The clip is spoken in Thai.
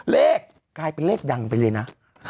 เลขกลายเป็นเลขดังไปเลยนะ